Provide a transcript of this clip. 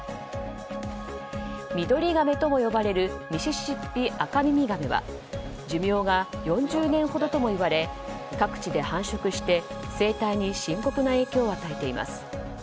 ミドリガメとも呼ばれるミシシッピアカミミガメは寿命が４０年ほどともいわれ各地で繁殖して生態に深刻な影響を与えています。